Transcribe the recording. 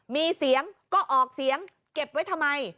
มีเสียงก็ออกเสียงเก็บไว้ทำไม